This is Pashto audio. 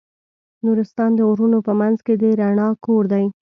نورستان د غرونو په منځ کې د رڼا کور دی.